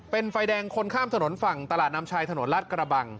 เป็นไฟแดงคนข้ามถนนฝั่งตลาดนำชัยถนนรัฐกระบัง